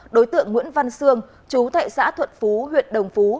đối tượng nguyễn văn sương chú thệ xã thuận phú huyện đồng phú